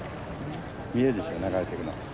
見えるでしょ流れてるのが。